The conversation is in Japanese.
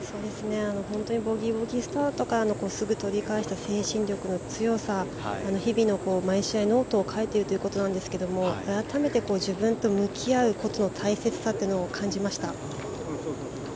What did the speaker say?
本当にボギーボギースタートとかすぐ取り返した精神力の強さ日々の、毎試合ノートを書いているということなんですが改めて自分と向き合うことの大切さというのを感じました。